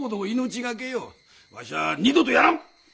わしは二度とやらん！